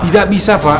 tidak bisa pak